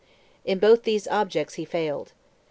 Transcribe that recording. In both these objects he failed.